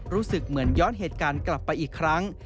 รู้สึกเหมือนย้อนเหตุการณ์กลับไปอีกครั้ง